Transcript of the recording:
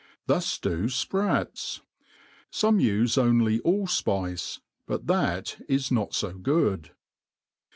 Thus do fprats. Some ufe only all fpice, .but that is not (o good.